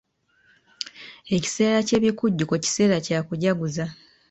Ekiseera ky'ebikujjuko kiseera kya kujaguza.